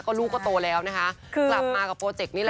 ลูกก็โตแล้วนะคะกลับมากับโปรเจกต์นี่แหละ